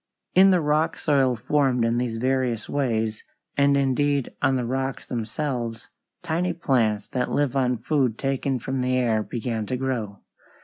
In the rock soil formed in these various ways, and indeed on the rocks themselves, tiny plants that live on food taken from the air began to grow.